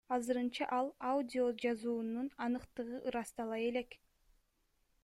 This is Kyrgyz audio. Азырынча ал аудиожазуунун аныктыгы ырастала элек.